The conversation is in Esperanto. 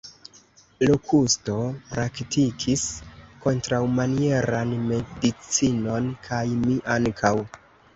Lokusto praktikis kontraŭmanieran medicinon, kaj mi ankaŭ.